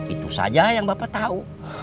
itu saja yang bapak tahu